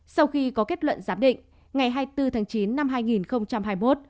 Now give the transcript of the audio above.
sau khi có kết luận giám định ngày hai mươi bốn tháng chín năm hai nghìn hai mươi một